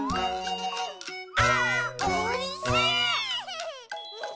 「あーおいしい！」